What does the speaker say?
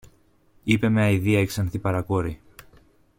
είπε με αηδία η ξανθή παρακόρη.